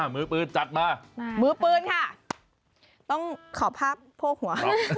มือปืนจัดมานะครับมือปืนค่ะต้องขอพราบโภคหัว